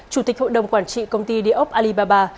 chủ tịch hội đồng quản trị công ty địa ốc alibaba